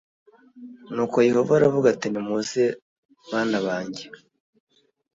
Nuko yehova aravuga ati nimuze banabange